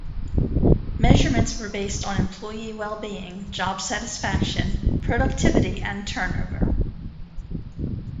Measurements were based on employee well-being, job satisfaction, productivity and turnover.